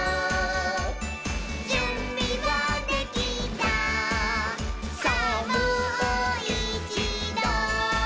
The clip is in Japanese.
「じゅんびはできたさぁもういちど」